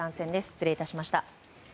失礼いたしました。